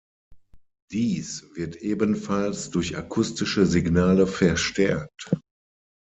Dies wird ebenfalls durch akustische Signale verstärkt.